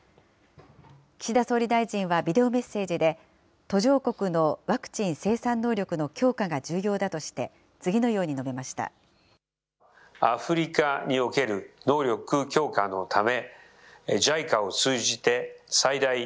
岸田総理大臣はビデオメッセージで、途上国のワクチン生産能力の強化が重要だとして、次のように述べました。